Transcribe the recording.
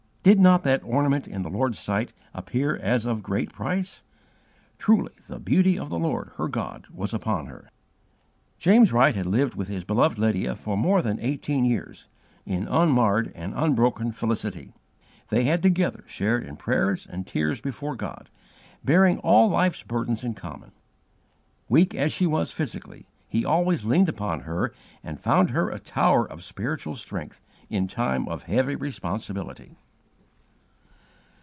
Did not that ornament in the Lord's sight appear as of great price? Truly "the beauty of the Lord her God was upon her." James Wright had lived with his beloved Lydia for more than eighteen years, in "unmarred and unbroken felicity." They had together shared in prayers and tears before God, bearing all life's burdens in common. Weak as she was physically, he always leaned upon her and found her a tower of spiritual strength in time of heavy responsibility.